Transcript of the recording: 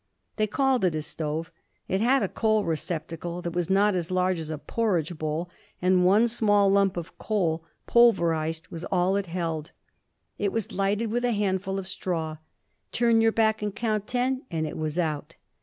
They called it a stove. It had a coal receptacle that was not as large as a porridge bowl, and one small lump of coal, pulverized, was all it held. It was lighted with a handful of straw. Turn your back and count ten, and it was out.